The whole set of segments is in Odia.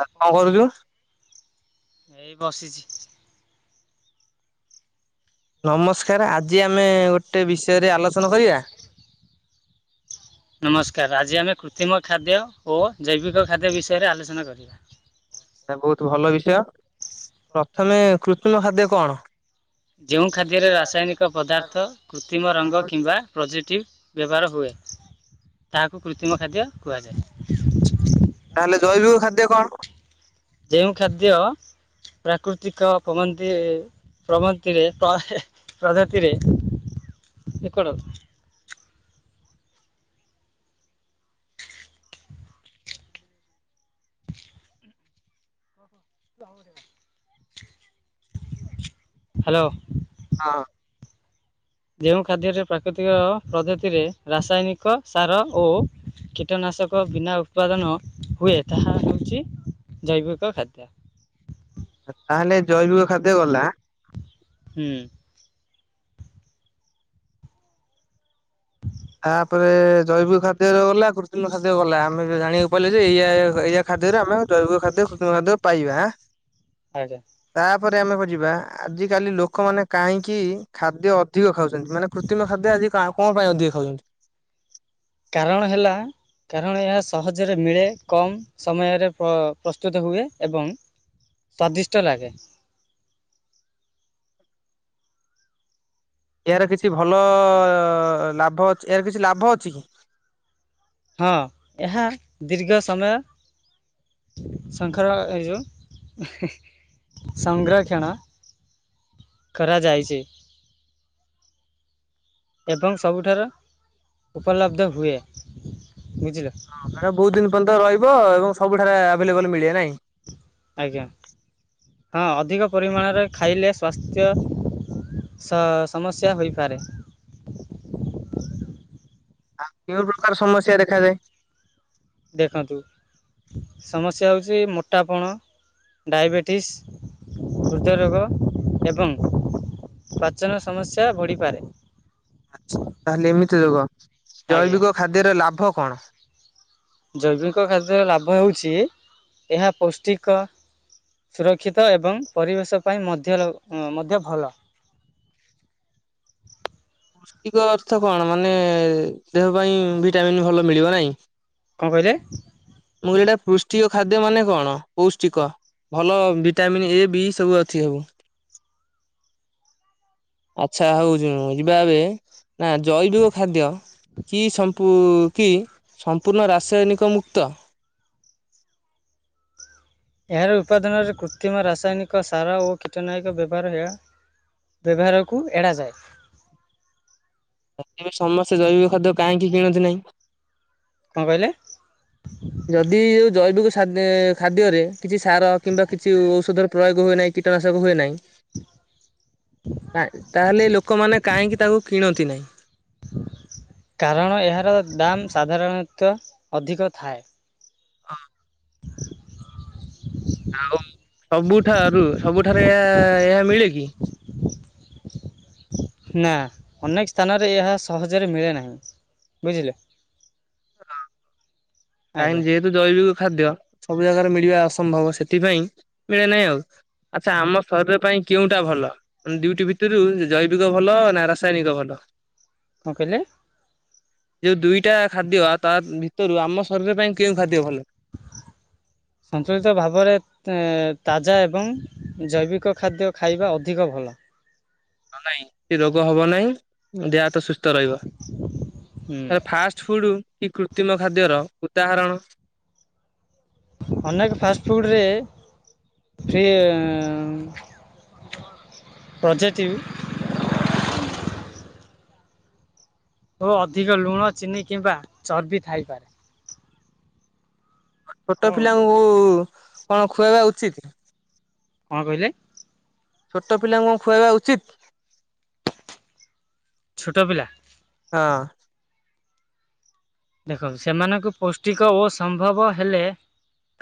ଆ କଣ କରୁଛୁ? ଏଇ ବସିଛି। ନମସ୍କାର ଆଜି ଆମେ ଗୋଟେ ବିଷୟରେ ଆଲୋଚନା କରିବା। ନମସ୍କାର। ଆଜି ଆମେ କୃତ୍ରିମ ଖାଦ୍ୟ ଓ ଜୈବିକ ଖାଦ୍ୟ ବିଷୟରେ ଆଲୋଚନା କରିବା। ଏ ବହୁତ ଭଲ ବିଷୟ ପ୍ରଥମେ କୃତ୍ରିମ ଖାଦ୍ୟ କଣ? ଯେଉଁ ଖାଦ୍ୟରେ ରାସାୟନିକ ପଦାର୍ଥ କୃତ୍ରିମ ରଙ୍ଗ କିମ୍ବା ପ୍ରଜିଟିଭ୍ ବ୍ୟବହାର ହୁଏ ତାହାକୁ କୃତ୍ରିମ ଖାଦ୍ୟ କୁହାଯାଏ। ତାହେଲେ ଜୈବିକ ଖାଦ୍ୟ କଣ? ଯେଉଁ ଖାଦ୍ୟ ପ୍ରାକୃତିକ ପବନ୍ତି ପ୍ରଗନ୍ତିରେ ପ୍ରଗ ପ୍ରଗତିରେ ଏକଡ଼ [unintelligible] ହ୍ୟାଲୋ। ହଁ। ଯେଉଁ ଖାଦ୍ୟରେ ପ୍ରାକୃତିକ ପଦ୍ଧତିରେ ରାସାୟନିକ ସାର ଓ କୀଟନା ନାଶକ ବିନା ଉତ୍ପାଦନ ହୁଏ ତାହା ହେଉଛି ଜୈବିକ ଖାଦ୍ୟ। ତାହେଲେ ଜୈବିକ ଖାଦ୍ୟ ଗଲା। ହୁଁ। ତାପରେ ଜୈବିକ ଖାଦ୍ୟରେ ଗଲା କୃତ୍ରିମ ଖାଦ୍ୟ ଗଲା ଆମେ ଜାଣିବାକୁ ପାଇଲେ ଏୟା ଏୟା ଖା - ଖାଦ୍ୟରେ ଆମେ ଜୈବିକ ଖାଦ୍ୟ କୃତ୍ରିମ ଖାଦ୍ୟ ପାଇବା ଆଁ। ଆଜ୍ଞା। ତାପରେ ଆମେ ଯିବା ଆଜିକାଲି ଲୋକମାନେ କାହିଁକି ଖାଦ୍ୟ ଅଧିକ ଖାଉ ମାନେ କୃତ୍ରିମ ଖାଦ୍ୟ ଆଜି କା କଣ ପାଇଁ ଅଧିକ ଖାଉଛନ୍ତି? କାରଣ ହେଲା କାରଣ ଏହା ସହଜରେ ମିଳେ କମ ସମୟରେ ପ ପ୍ରସ୍ତୁତ ହୁଏ ଏବଂ ସ୍ଵାଦିଷ୍ଟ ଲାଗେ। ଏହାର କିଛି ଭଲ ଅ ଲାଭ ଅଛି ଏହାର କିଛି ଲାଭ ଅଛି କି? ହଁ ଏହା ଦୀର୍ଘ ସମୟ ସଙ୍ଖା ଏ ଯା [unintelligible] ସଂରକ୍ଷଣ କରାଯାଇଛି। ଏବଂ ସବୁଠାର ଉପଲବ୍ଧ ହୁଏ। ବୁଝିଲ ହଁ ବୋହୁତ ଦିନ ପର୍ଯ୍ୟନ୍ତ ରହିବ ଏବଂ ସବୁଠାରେ ଆଭେଲେବଲ ମିଳେ ନାଇଁ। ଆଜ୍ଞା ହଁ ଅଧିକ ପରିମାଣରେ ଖାଇଲେ ସ୍ୱାସ୍ଥ୍ୟ ସ ସମସ୍ୟା ହୋଇପାରେ। ଆଉ କେଉଁ ପ୍ରକାର ସମସ୍ୟା ଦେଖାଯାଏ ଦେଖନ୍ତୁ ସମସ୍ୟା ହଉଛି ମୋଟାପଣ ଡାଇବେଟିସ୍, ହୃଦୟରୋଗ ଏବଂ ପ୍ରଚନ ସମସ୍ୟା ବଢ଼ିପାରେ ଆଚ୍ଛ ତାହେଲେ ଏମିତି ରୋଗ ଆଜ୍ଞା ଜୈବିକ ଖାଦ୍ୟର ଲାଭ କଣ? ଜୈବିକ ଖାଦ୍ୟରେ ଲାଭ ହେଉଛି ଏହା ପୌଷ୍ଟିକ ସୁରକ୍ଷିତ ଏବଂ ପରିବେଶ ପାଇଁ ମଧ୍ୟ [unintelligible] ମଧ୍ୟ ଭଲ [inaudible] ପୁଷ୍ଟିକ ଅର୍ଥ କଣ ମାନେ ଦେହ ପାଇଁ ଭିଟାମନ୍ ଭଲ ମିଳିବ ନାହିଁ କଣ କହିଲେ? ମୁଁ କହିଲି ଏଟା ପୃଷ୍ଟିକ ଖାଦ୍ୟ ମାନେ କଣ ପୁଷ୍ଟିକ ଭଲ ଭିଟାମିନ ଏ ବି ସବୁ ଅଛି [unintelligible] ହେବୁ ଆଚ୍ଛା ହଉଛି ଯିବା ଏବେ ନା ଜୈବିକ ଖାଦ୍ୟ କି ସମ୍ପ ଉଁ କି ସମ୍ପୂର୍ଣ୍ଣ ରାସାୟନିକ ମୁୁକ୍ତ। [inaudible] ଏହାର ଉପାଦାନରେ କୃତ୍ରିମ ରାସାୟନିକ ସାର ଓ କୀଟନାସକ ବ୍ୟବହାର ହେଆ। ବ୍ୟବହାରକୁ ଏଡା ଯାଏ। ପ୍ରଥମେ ସମସ୍ତେ ଜୈବିକ ଖାଦ୍ୟ କାହିଁକି କିଣନ୍ତି ନାହିଁ? କଣ କହିଲେ? ଯଦି ଏଇ ଜୈବିକ ସ୍ ଖାଦ୍ୟରେ କିଛି ସାର କିମ୍ବା କିଛି ଔଷଧର ପ୍ରୟୋଗ ହୁଏ ନାହିଁ କୀଟନାଶକ ହୁଏ ନାହିଁ। [inaudible] ତାହେଲେ ଲୋକମାନେ କାହିଁକି ତାକୁ କିଣନ୍ତି ନାହିଁ? କାରଣ ଏହାର ଦାମ୍ ସାଧାରଣତଃ ଅଧିକ ଥାଏ। [inaudible] ଆଉ ସବୁଠାରୁ ସବୁଠାରେ ଏହା ଏହା ମିଳେ କି ନା ଅନେକ ସ୍ଥାନରେ ଏହା ସହଜରେ ମିଳେ ନାହିଁ ବୁଝିଲେ। [inaudible] ଆଜ୍ଞା ଟାଇମ ଯେହେତୁ ଜୈବୁ [unintelligible] ଖାଦ୍ୟ ସବୁ ଜାଗାରେ ମିଳିବା ଅସମ୍ଭବ ସେଥିପାଇଁ ମିଳେ ନାହିଁ ଆଉ ଆଚ୍ଛା ଆମ ଶରୀର ପାଇଁ କେଉଁଟା ଭଲ ଦୁଇ ଟି ଭିତରୁ ଜୈବିକ ଭଲ ନା ରାସାୟନିକ ଭଲ। କଣ କହିଲେ? ଯଉ ଦୁଇଟା ଖାଦ୍ୟ ତା ଭିତରୁ ଆମ ଶରୀର ପାଇଁ କେଉଁ ଖାଦ୍ୟ ଭଲ? [inaudible] ସନ୍ତୁଳିତ ଭାବରେ ଉଁ ତାଜା ଏବଂ ଜୈବିକ ଖାଦ୍ୟ ଖାଇବା ଅଧିକ ଭଲ କି ରୋଗ ହବ ନାଇଁ ଦେହ ହାତ ସୁସ୍ଥ ତ ରହିବ ହୁଁ। ଫାଷ୍ଟ ଫୁଡ଼ କି କୃତ୍ରିମ ଖାଦ୍ୟର ଉଦାହରଣ। ଅନେକ ପାଷ୍ଟଫୁଡ଼ରେ ଫ୍ରି ଉଁ ପ୍ରଜେଟିଭ ଓ ଅଧିକ ଲୁଣ ଚିନି କିମ୍ବା ଚର୍ବି ଥାଇପାରେ। ଛୋଟ କଣ ଦେଖ ପିଲାଙ୍କୁ କଣ ଖୁଆଇବା ଉଚିତ! କଣ କହିଲେ? ଛୋଟ ପିଲାଙ୍କୁ କଣ ଖୁଆଇବା ଉଚିତ! ଛୋଟ ପିଲା। ହଁ। ଦେଖ ସେମାନଙ୍କୁ ପୁଷ୍ଟିକ ଓ ସମ୍ଭବ ହେଲେ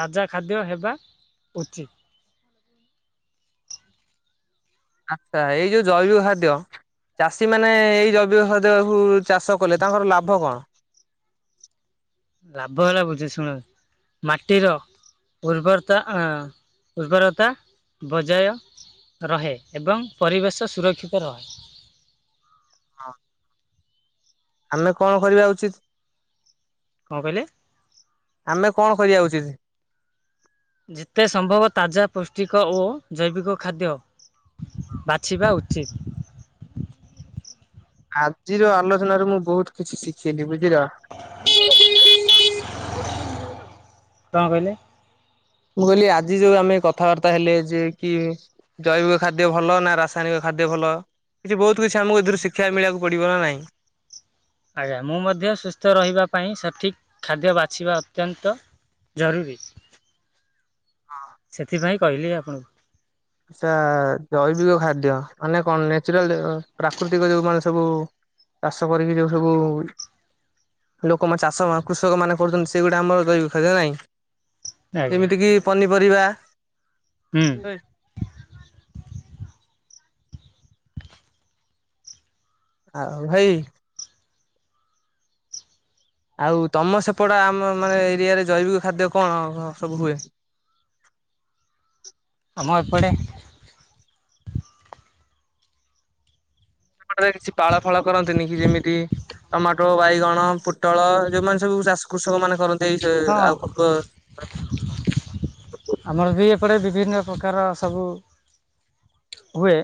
ତାଜା ଖାଦ୍ୟ ହେବା ଉଚିତ। ଆଚ୍ଛା ଏଇ ଯୋଉ ଜୈବ ଖାଦ୍ୟ। ଚାଷୀ ମାନେ ଏଇ ଜୈବିକ ଚାଷ କଲେ ତାଙ୍କର ଲାଭ କଣ? ଲାଭ ହେଲା ବୁଝୁ ଶୁଣ ମାଟିର ଉର୍ବରତା ଉର୍ବରତା ବଜାୟ ରହେ ଏବଂ ପରିବେଶ ସୁରକ୍ଷିତ ରହେ। ହଁ। ଆମେ କଣ କରିବା ଉଚିତ? କଣ କହିଲେ? ଆମେ କଣ କରିବା ଉଚିତ? ଯେତେ ସମ୍ଭବ ତାଜା ପୃଷ୍ଟିକ ଓ ଜୈବିକ ଖାଦ୍ୟ ବାଛିବା ଉଚିତ୍। ଆଜିର ଆଲୋଚନାରେ ମୁଁ ବହୁତ କିଛି ଶିଖିଲି ବୁଝି [unintelligible] କଣ କହିଲେ? ମୁଁ କହିଲି ଆଜି ଯୋଉ ଆମେ କଥାବାର୍ତ୍ତା ହେଲେ ଯେ କି ଜୈବିକ ଖାଦ୍ୟ ଭଲ ନା ରାସାୟନିକ ଖା ଖାଦ୍ୟ ଭଲ କିଛି ବହୁତ କିଛି ଆମକୁ ଏଥିରୁ ଶିକ୍ଷା ମିଳିବାକୁ ପଡିବ ନା ନାହିଁ? ଆଜ୍ଞା ମୁଁ ମଧ୍ୟ ସୁସ୍ଥ ରହିବା ପାଇଁ ସଠିକ ଖାଦ୍ୟ ବାଛିବା ଅତ୍ୟନ୍ତ। ଜରୁରୀ ସେଥିପାଇଁ କହିଲି ଆପଣଙ୍କୁ। ଆଚ୍ଛା ଜୈବିକ ଖାଦ୍ୟ ମାନେ କଣ ନେଚୁରାଲ ପ୍ରାକୃତିକ ଯୋଉ ମାନେ ସବୁ ଚାଷ କରିକି ଯୋଉ ସବୁ ଲୋକମାନେ ଚାଷ କୃଷକ ମାନେ କରୁଛନ୍ତି ସେଗୁଡା ଆମର ଜୈବିକ ଖାଦ୍ୟ ନାଇଁ। ଆଜ୍ଞା ଯେମିତି କି ପନିପରିବା। ହୁଁ। ଆଉ ଭାଇ ଆଉ ତମ ସେପଟ ଆମ ମାନେ ଏରିଆରେ ଜୈବିକ ଖାଦ୍ୟ କଣ ସବୁ ହୁଏ? [inaudible] ଆମ ଏପଟେ ରେ କିଛି ପାଳ ଫାଳ କରନ୍ତିନି କି ଯେମିତି ଟମାଟୋ, ବାଇଗଣ, ପୋଟଳ ଯୋଉମାନେ ସବୁ ଚାଷ କର କୃଷକ ମାନେ କରନ୍ତି ଏଇ ସେ ହଁ ଆଉ ପଡ଼େ ବିଭିନ୍ନ ପ୍ରକାର ସବୁ ହୁଏ।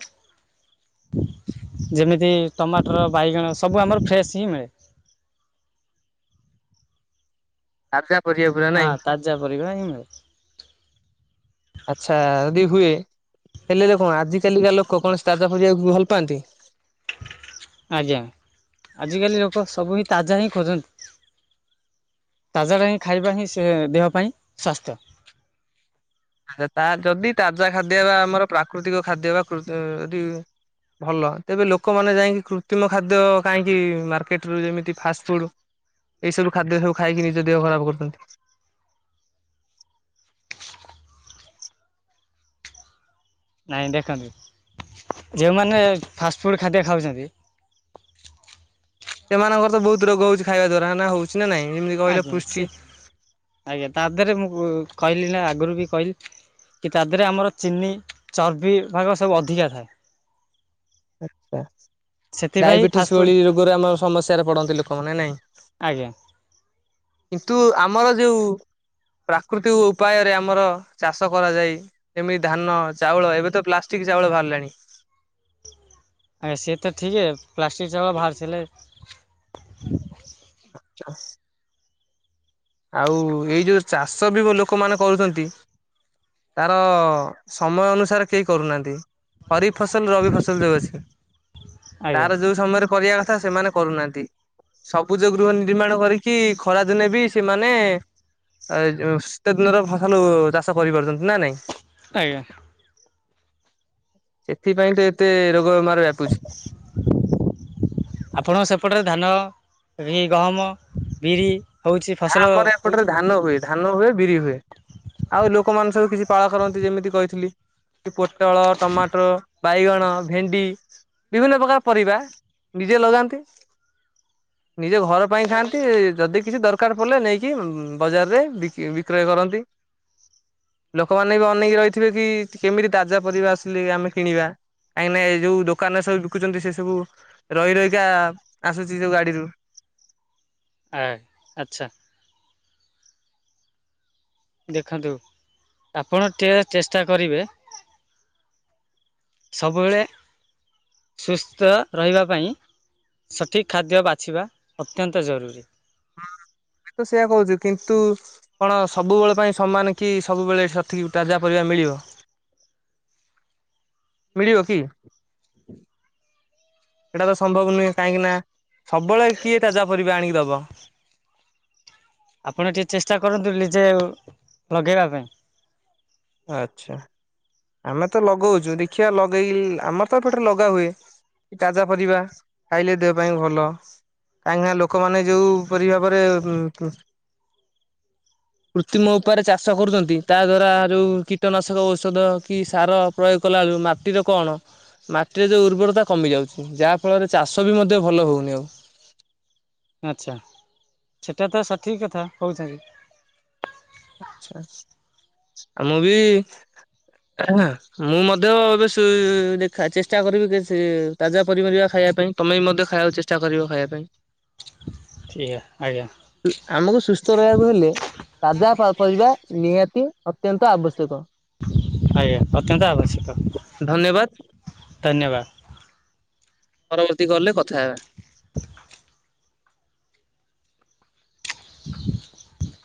ଯେମିତି ଟମାଟର, ବାଇଗଣ ସବୁ ଆମର ଫ୍ରେଶ ହିଁ ମିଳେ। [inaudible] ତାଜା ପରିବା ପୁରା ହଁ ନାଇଁ ତାଜା ପରିବା ହିଁ ମିଳେ ଆଚ୍ଛା। ଯଦି ହୁଏ ହେଲେ କଣ ଆଜିକଳିକା ଲୋକ କଣ ତାଜା ଖାଇବାକୁ ଭଲ ପାଆନ୍ତି? ଆଜ୍ଞା ଆଜିକାଲି ଲୋକ ସବୁ ହିଁ ତାଜା ହିଁ ଖୋଜନ୍ତି। ତାଜାର ହିଁ ଖାଇବା ହିଁ ସେ ଦେହ ପାଇଁ ସ୍ୱାସ୍ଥ୍ୟ। ଆ ତା ଯଦି ତାଜା ଖାଦ୍ୟ ବା ଆମର ପ୍ରାକୃତିକ ଖାଦ୍ୟ ବା ଯଦି ଭଲ ତେବେ ଲୋକମାନେ ଯାଇକି କୃତ୍ରିମ ଖାଦ୍ୟ କାହିଁକି ମାର୍କେଟରୁ ଯେମିତି ଫାଷ୍ଟଫୁଡ଼। ଏଇ ସବୁ ଖାଦ୍ୟ ସବୁ ଖାଇକି ନିଜ ଦେହ ଖରାପ କରୁଛନ୍ତି? [inaudible] ନାଇଁ ଦେଖନ୍ତୁ ଯେଉଁମାନେ ଫାଷ୍ଟଫୁଡ଼୍ ଖାଦ୍ୟ ଖାଉଛନ୍ତି। [inaudible] ସେମାନଙ୍କର ତ ବହୁତ ରୋଗ ହଉଛି ଖାଇବା ଦ୍ଵାରା ହଉଛି। ନା ନାଇଁ ଯେମିତି କହିଲେ ଆଜ୍ଞା ପୃଷ୍ଟି ସେ ଆଜ୍ଞା ତା ଦେହରେ ମୁଁ କହିଲି ନା ଆଗରୁ ବି କହିଲି। କି ତା ଦେହରେ ଆମର ଚିନି, ଚର୍ବି ଭାଗ ସବୁ ଅଧିକା ଥାଏ। ଆଚ୍ଛା ସେଥିପାଇଁ ଡାଇବେଟିସ୍ ଫାଷ୍ଟଫୁଡ଼୍ ଭଳି ରୋଗରେ ଆମ ସମସ୍ୟାରେ ପଡନ୍ତି ଲୋକମାନେ ନାଇଁ? ଆଜ୍ଞା। କିନ୍ତୁ ଆମର ଯୋଉ ପ୍ରାକୃତିକ ଉପାୟରେ ଆମର ଚାଷ କରାଯାଏ। ଯେମିତି ଧାନ ଚାଉଳ, ଏବେ ତ ପ୍ଲାଷ୍ଟିକ ଚାଉଳ ବାହାରିଲାଣି। ଆଜ୍ଞା। ସେ ଠିକି ପ୍ଲାଷ୍ଟିକ ଚାଉଳ ଭାରିଚି ହେଲେ ଆଉ ଏଇ ଯୋଉ ଚାଷ ବି ଲୋକମାନେ କରୁଛନ୍ତି। ତାର ସମୟ ଅନୁସାରେ କେହି କରୁନାହାନ୍ତି। ହରି ଫସଲ, ରବି ଫସଲ ଯୋଉ ଅଛି। ଆଜ୍ଞା ତାର ଯୋଉ ସମୟରେ କରିବା କଥା ସେମାନେ କରୁନାହାନ୍ତି। ସବୁଜ ଗୃହ ନିର୍ମାଣ କରିକି, ଖରାଦିନେ ବି ସେମାନେ ଏଇଯୋଉ ଶୀତ ଦିନର ଫସଲ ଚାଷ କରିପାରୁଛନ୍ତି, ନା ନାଇଁ। ଆଜ୍ଞା। ଏଥିପାଇଁ ତ ଏତେ ରୋଗ ବେମାର ବ୍ୟାପୁଛି। ଆପଣଙ୍କ ସେପଟରେ ଧାନ ରି ଗହମ, ବିରି- ହେଉଛି ଫସଲ ଆମର ଏପଟରେ ହେଉଛି ଧାନ ହୁଏ, ଧାନ ହୁଏ ବିରି ହୁଏ। ଆଉ ଲୋକମାନେ ସବୁ କିଛି ପାଳ କରନ୍ତି ଯେମିତି କହିଥିଲି। କି ପୋଟଳ, ଟମାଟର, ବାଇଗଣ, ଭେଣ୍ଡି ବିଭିନ୍ନ ପ୍ରକାର ପରିବା ନିଜେ ଲଗାନ୍ତି। ନିଜ ଘର ପାଇଁ ଖାଆନ୍ତି। ଯଦି କିଛି ଦର କାର ପୋଲ ନେଇକି ବଜାରରେ ବି-ବିକ୍ରୟ କରନ୍ତି। ଲୋକମାନେ ବି ଅନେଇକି ରହିଥିବେ କି, କେମିତି ତାଜା ପରିବା ଆସିଲେ ଆମେ କିଣିବା। କାହିଁ କିନା ଏ ଯୋଉ ଦୋକାନରେ ସବୁ ବିକୁଛନ୍ତି ସେ ସବୁ ରହି ରହିକା ଆସୁଛି ଯୋଉ ଗାଡିରୁ। ଆ, ଆଚ୍ଛା। ଦେଖନ୍ତୁ ଆପଣ ଟିଏ ଚେଷ୍ଟା କରିବେ। ସବୁବେଳେ ସୁସ୍ଥ ରହିବା ପାଇଁ ସଠିକ୍ ଖାଦ୍ୟ ବାଛିବା ଅତ୍ୟନ୍ତ ଜରୁରୀ। ଆମେ ତ ସେଇଆ କହୁଛୁ, କିନ୍ତୁ କଣ ସବୁବେଳେ ପାଇଁ ସମାନ କି ସବୁବେଳେ ସଠିକ୍ ତାଜା ପରିବା ମିଳିବ। ମିଳିବ କି? ସେଇଟା ତ ସମ୍ଭବ ନୁହେଁ। କାହିଁକି ନା ସବୁବେଳେ କିଏ ତାଜା ପରିବା ଆଣିକି ଦବ। ଆପଣ ଟିକେ ଚେଷ୍ଟା କରନ୍ତୁ, ନିଜେ ଲଗେଇବା ପାଇଁ। ଆଚ୍ଛା। ଆମେ ତ ଲଗୋଚୁ ଦେଖିବା ଲଗେଇ ଆମର ତ ପଟରେ ଲଗା ହୁଏ। ତାଜା ପରିବା ଖାଇଲେ ଦେହ ପାଇଁ ଭଲ। କାହିଁକିନା ଲୋକମାନେ ଯଉ ପରିବା ପରେ କୃତ୍ରିମ ଉପରେ ଚାଷ କରୁଛନ୍ତି। ତା ଦ୍ଵାରା ଯୋଉ କୀଟନାଶକ ଔଷଧ କି ସାର ପ୍ରୟୋଗ କଲାବେଳକୁ ମାଟିର କଣ? ମାଟିରେ ଯେଉଁ ଉର୍ବରତା କମି ଯାଉଛି। ଯାହାଫଳରେ ଚାଷ ବି ମଧ୍ୟ ଭଲ ହଉନି ଆଉ। ଆଚ୍ଛା ସେଟା ତ ସଠିକ୍ କଥା କହୁଛନ୍ତି। ଆଛା ଆଛା। ମୁଁ ବି ମୁଁ ମଧ୍ୟ ଏବେ ସେ-ଦେଖା ଚେଷ୍ଟା କରିବି କି ତାଜା ପିନିପରିବା ଖାଇବା ପାଇଁ। ତମେ ବି ମଧ୍ୟ ଖା ଉ ଚେଷ୍ଟା କରିବ ଖାଇବା ପାଇଁ। ଠିକ୍ ଆଜ୍ଞା ଆମକୁ ସୁସ୍ଥ ରହିବାକୁ ହେଲେ, ତାଜା ପରିବା ନିହାତି ଅତ୍ୟନ୍ତ ଆବଶ୍ୟକ। ଆଜ୍ଞା ଅତ୍ୟନ୍ତ ଆବଶ୍ୟକ। ଧନ୍ୟବାଦ। ଧନ୍ୟବାଦ। ପରବର୍ତ୍ତୀ କଲରେ କଥା ହେବା।